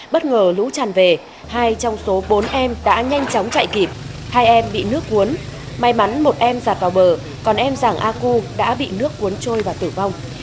bất ngờ lũ tràn về hai trong số bốn em đã nhanh chóng chạy kịp hai em bị nước cuốn may mắn một em giặt vào bờ còn em giàng a cu đã bị nước cuốn trôi và tử vong